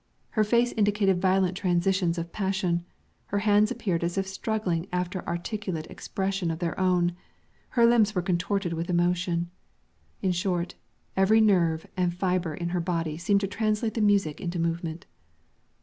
Her face indicated violent transitions of passion; her hands appeared as if struggling after articulate expression of their own; her limbs were contorted with emotion: in short, every nerve and fibre in her body seemed to translate the music into movement.